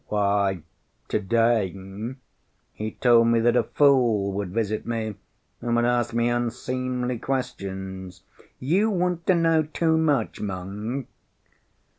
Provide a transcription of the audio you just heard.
"Why, to‐day he told me that a fool would visit me and would ask me unseemly questions. You want to know too much, monk."